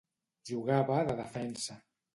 Jugava de Defensa.